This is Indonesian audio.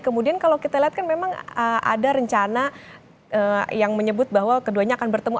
kemudian kalau kita lihat kan memang ada rencana yang menyebut bahwa keduanya akan bertemu